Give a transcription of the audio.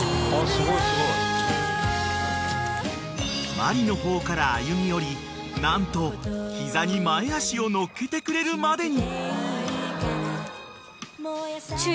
［マリの方から歩み寄り何と膝に前脚をのっけてくれるまでに］